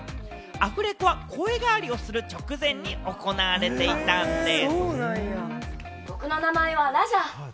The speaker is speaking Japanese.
アフレコは声変わりをする直前に行われていたんでぃす。